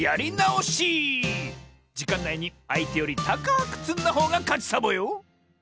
じかんないにあいてよりたかくつんだほうがかちサボよ！